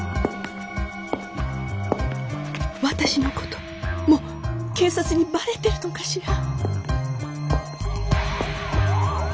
私のこともう警察にばれてるのかしら？